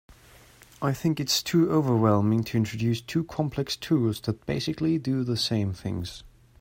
I think it’s too overwhelming to introduce two complex tools that basically do the same things.